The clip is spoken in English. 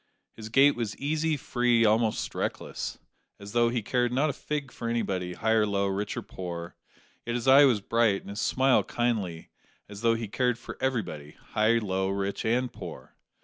His gait was easy, free almost reckless as though he cared not a fig for anybody, high or low, rich or poor; yet his eye was bright and his smile kindly, as though he cared for everybody high, low, rich, and poor.